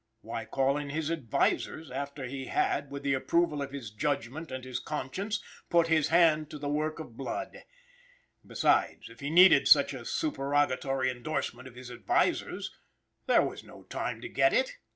Why call in his "advisers" after he had, with the approval of his judgment and his conscience, put his hand to the work of blood! Besides, if he needed such a supererogatory endorsement of his "advisers," there was no time to get it.